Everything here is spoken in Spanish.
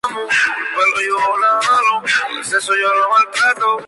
El nivel relevante es el Magdaleniense, del que forman parte las pinturas y grabados.